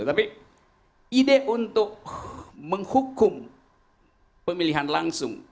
tapi ide untuk menghukum pemilihan langsung